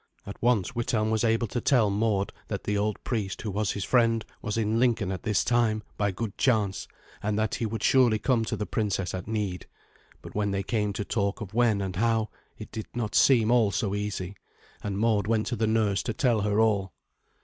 At once Withelm was able to tell Mord that the old priest who was his friend was in Lincoln at this time by good chance, and that he would surely come to the princess at need. But when they came to talk of when and how, it did not seem all so easy; and Mord went to the nurse to tell her all.